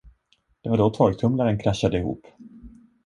Det var då torktumlaren kraschade ihop.